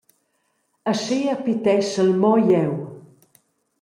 Aschia piteschel mo jeu.